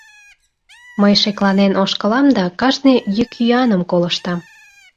Мый шекланен ошкылам да кажне йӱк-йӱаным колыштам.